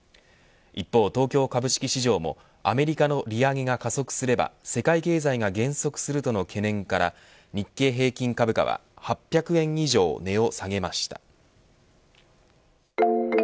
一方、東京株式市場もアメリカの利上げが加速すれば世界経済が減速するとの懸念から日経平均株価は８００円以上値を下げました。